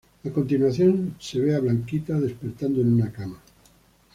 A continuación se ve a Blanquita despertando en una cama.